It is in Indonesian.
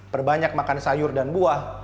perbanyak makan sayur dan buah